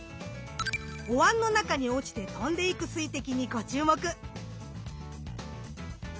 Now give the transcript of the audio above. おわんの中に落ちて飛んでいく水滴にご注目。